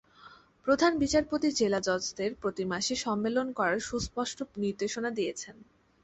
প্রধান বিচারপতি জেলা জজদের প্রতি মাসে সম্মেলন করার সুস্পষ্ট নির্দেশনা দিয়েছেন।